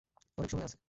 অনেক সময় আছে।